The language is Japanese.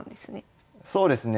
そうですね。